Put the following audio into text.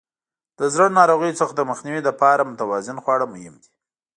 د زړه ناروغیو څخه د مخنیوي لپاره متوازن خواړه مهم دي.